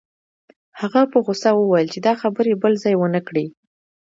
هغه په غوسه وویل چې دا خبرې بل ځای ونه کړې